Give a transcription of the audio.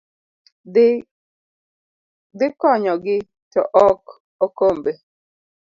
dhi konyogi, to ok okombe.